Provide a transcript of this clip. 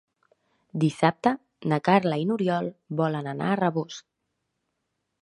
Dissabte na Carla i n'Oriol volen anar a Rabós.